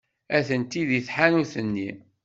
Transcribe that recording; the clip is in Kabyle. Atenti deg tḥanut-nni.